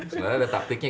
sebenarnya ada taktiknya